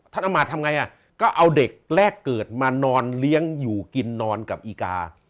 เอามาตทำไงอ่ะก็เอาเด็กแรกเกิดมานอนเลี้ยงอยู่กินนอนกับอีกา